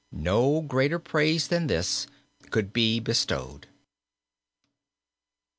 No greater praise than this could be bestowed.